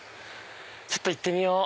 ちょっと行ってみよう。